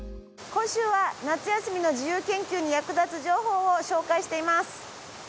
今週は夏休みの自由研究に役立つ情報を紹介しています。